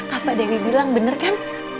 apa dewi bilang bener kan